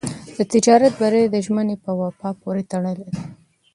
د تجارت بری د ژمنې په وفا پورې تړلی دی.